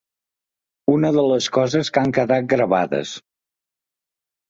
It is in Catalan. Una de les coses que han quedat gravades